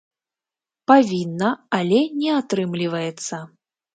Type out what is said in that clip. Павінна, але не атрымліваецца.